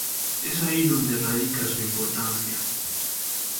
Es ahí donde radica su importancia.